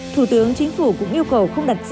thủ tướng chính phủ cũng yêu cầu không đặt ra